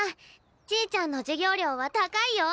ちぃちゃんの授業料は高いよ？